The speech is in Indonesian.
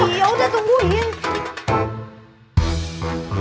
ya udah tungguin